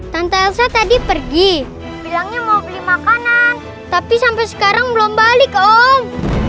tante elsa tadi pergi bilangnya mau beli makanan tapi sampai sekarang belum balik om